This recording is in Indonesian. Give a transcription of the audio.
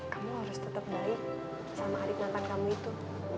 kamu harus tetap baik sama adik mantan kamu itu